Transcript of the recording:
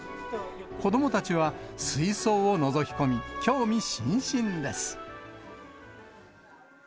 子どもたちは、水槽をのぞき込み、興味津々です。